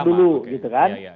menulah dulu gitu kan